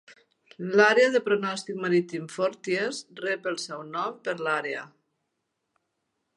L'àrea de pronòstic marítim "Forties" rep el seu nom per l'àrea.